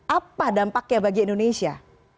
apa dampaknya bagi indonesia